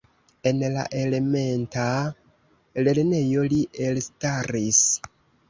En la elementa lernejo li elstaris.